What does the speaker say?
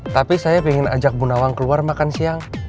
tapi saya ingin ajak bu nawang keluar makan siang